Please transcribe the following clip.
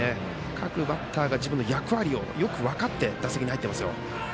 各バッターが自分の役割をよく分かって打席に入ってますよ。